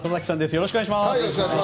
よろしくお願いします。